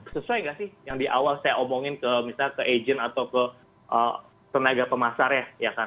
sesuai nggak sih yang di awal saya omongin ke misalnya ke agent atau ke tenaga pemasar ya kan